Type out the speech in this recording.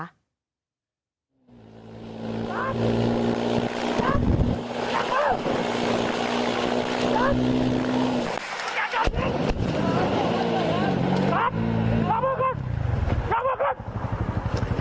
นับลงไปนับลงลงไป